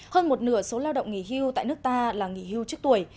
hơn một nửa số lao động nghỉ hưu tại nước ta là nghỉ hưu trước tuổi